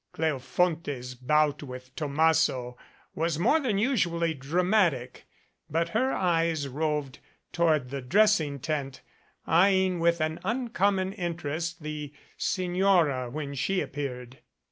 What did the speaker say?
Cleo fonte's bout with Tomasso was more than usually dra matic, but her eyes roved toward the dressing tent, eyeing with an uncommon interest the Signora when she ap peared.